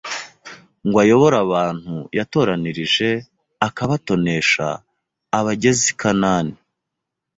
ngo ayobore abantu yatoranirije akabatonesha abageze i Kanani;